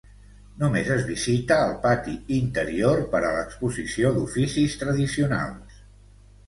Només es visita el pati interior per a l'exposició d'oficis tradicionals.